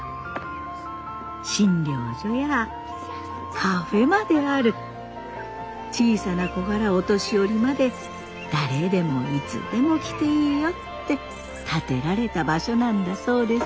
診療所やカフェまである小さな子からお年寄りまで誰でもいつでも来ていいよって建てられた場所なんだそうです。